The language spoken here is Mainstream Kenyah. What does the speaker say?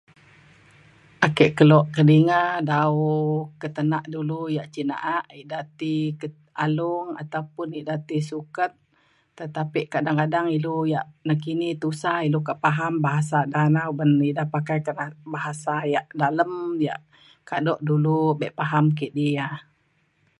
ake kelo kedinga dau ketena dulu yak cin na’a ida ti alung ataupun ida ti suket. tetapi kadang kadang ilu yak nakini tusa ilu kak faham bahasa da na uban ida pakai bahasa yak dalem yak kado dulu be faham kidi ia’